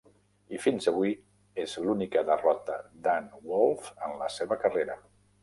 I fins avui és l'única derrota d'Ann Wolfe en la seva carrera.